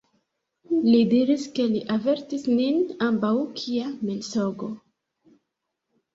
Li diris, ke li avertis nin ambaŭ: kia mensogo!